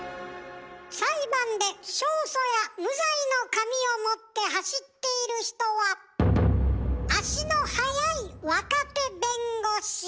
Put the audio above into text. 裁判で勝訴や無罪の紙を持って走っている人は足の速い若手弁護士！